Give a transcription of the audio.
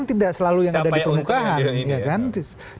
tidak selalu yang ada di permukaan sampai untung yang dianggap ini ya